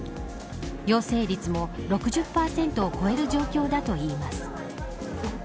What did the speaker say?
陽性率も６０％を超える状況だといいます。